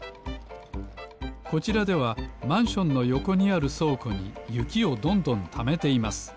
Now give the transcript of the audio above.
こちらではマンションのよこにあるそうこにゆきをどんどんためています